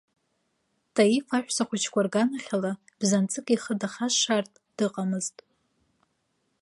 Таиф аҳәсахәыҷқәа рганахьала бзанҵык ихы дахашшаартә дыҟамызт.